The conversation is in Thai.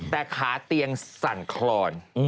แต่ขาเตียงสั่นคลอน